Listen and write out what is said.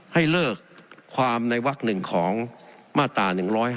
ให้เลิกความในวัก๑ของมาตรา๑๕